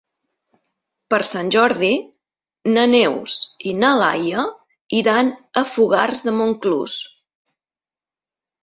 Per Sant Jordi na Neus i na Laia iran a Fogars de Montclús.